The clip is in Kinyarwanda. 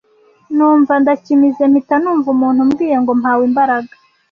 numva ndakimize mpita numva umuntu umbwiye ngo mpawe imbaraga